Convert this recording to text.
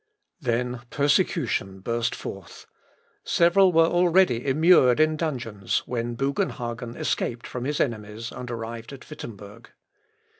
" Then persecution burst forth. Several were already immured in dungeons, when Bugenhagen escaped from his enemies, and arrived at Wittemberg.